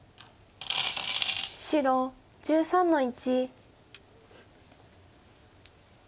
白１３の一。